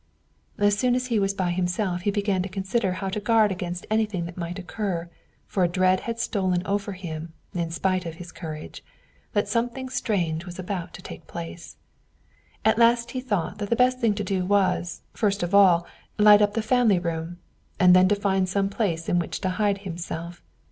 As soon as he was by himself he began to consider how to guard against anything that might occur; for a dread had stolen over him, in spite of his courage, that something strange was about to take place. At last he thought that the best thing to do was, first of all to light up the family room; and then to find some place in which to hide himself.